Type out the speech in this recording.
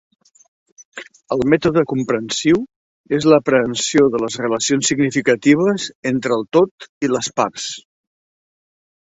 El mètode comprensiu és l'aprehensió de les relacions significatives entre el tot i les parts.